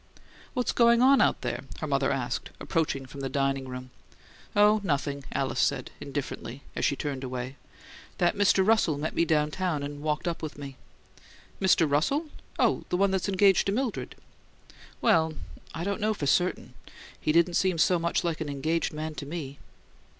"What is going on out there?" her mother asked, approaching from the dining room. "Oh, nothing," Alice said, indifferently, as she turned away. "That Mr. Russell met me downtown and walked up with me." "Mr. Russell? Oh, the one that's engaged to Mildred?" "Well I don't know for certain. He didn't seem so much like an engaged man to me."